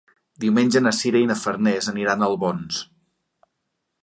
Diumenge na Sira i na Farners aniran a Albons.